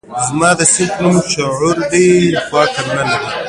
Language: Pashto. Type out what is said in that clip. زما ده صنفي نوم شعور دی خو عقل نه لري